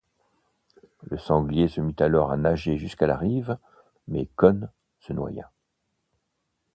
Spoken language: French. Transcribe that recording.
Le sanglier se mit alors à nager jusqu'à la rive mais Conn se noya.